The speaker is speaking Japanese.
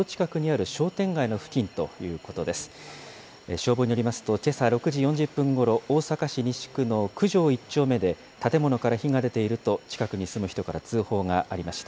消防によりますと、けさ６時４０分ごろ、大阪市西区の九条１丁目で、建物から火が出ていると、近くに住む人から通報がありました。